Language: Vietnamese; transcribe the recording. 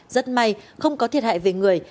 rất may không có thiệt hại về người